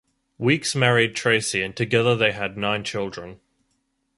Weeks married Tracy and together they had nine children.